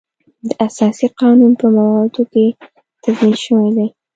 د اساسي قانون په موادو کې تضمین شوی دی.